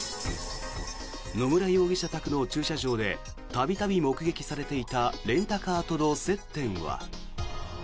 野村容疑者宅の駐車場で度々目撃されていたレンタカーとの接点は。